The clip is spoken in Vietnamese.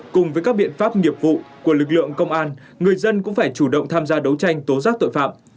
cùng với các biện pháp nghiệp vụ của lực lượng công an người dân cũng phải chủ động tham gia đấu tranh tố giác tội phạm